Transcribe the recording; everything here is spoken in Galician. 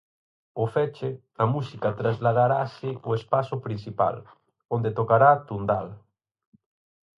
Ao feche, a música trasladarase ao espazo principal, onde tocará Tundal.